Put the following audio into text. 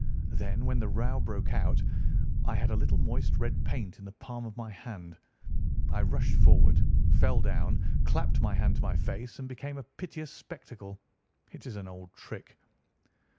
"Then, when the row broke out, I had a little moist red paint in the palm of my hand. I rushed forward, fell down, clapped my hand to my face, and became a piteous spectacle. It is an old trick."